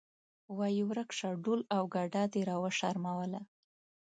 وایې ورک شه ډول او ګډا دې راوشرموله.